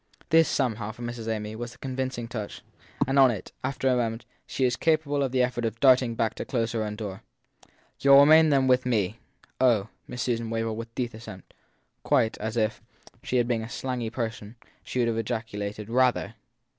This, somehow, for Miss Amy, was the convincing touch; and on it, after a moment, she was capable of the effort of darting back to close her own door. You ll remain then with me. Oh! Miss Susan wailed with deep assent; quite, as if, had she been a slangy person, she would have ejaculated Rather!